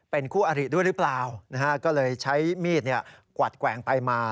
เป็นคู่อริด้วยหรือเปล่านะฮะก็เลยใช้มีดกวัดแกว่งไปมา